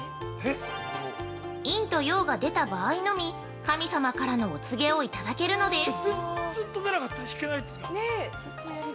「陰と陽」が出た場合のみ神様からのお告げをいただけるのです。